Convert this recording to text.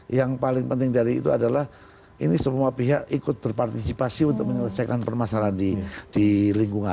yang paling penting dari itu adalah ini semua pihak ikut berpartisipasi untuk menyelesaikan permasalahan di lingkungan